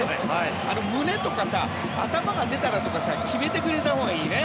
胸とか頭が出たらとか決めてくれたほうがいいね。